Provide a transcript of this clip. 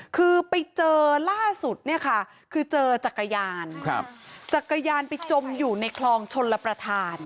คือไปเจอล่าสุดเนี่ยค่ะคือเจอจักรยานจักรยานไปจมอยู่ในคลองชนระประธาน